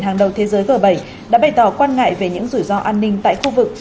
hàng đầu thế giới g bảy đã bày tỏ quan ngại về những rủi ro an ninh tại khu vực